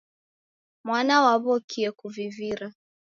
Mwana waw'okie kuvivira.